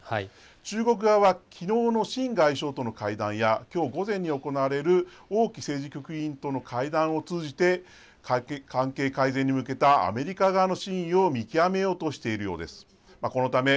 中国側はきのうの秦外相との会談や、きょう午前に行われる王毅政治局委員との会談を通じて、関係改善に向けたアメリカ側の真意を見極めようとしているようです。